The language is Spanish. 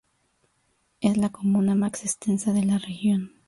Es la comuna más extensa de la región.